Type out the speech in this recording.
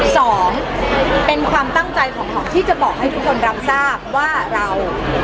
สองเป็นความตั้งใจของหอมที่จะบอกให้ทุกคนรับทราบว่าเรา